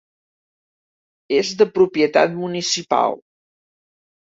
És de propietat municipal.